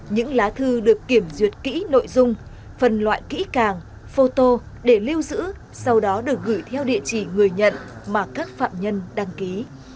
những lá thư được kiểm duyệt kỹ nội dung phần loại kỹ càng photo để lưu giữ sau đó được gửi theo địa chỉ người nhận mà các phạm nhân đăng ký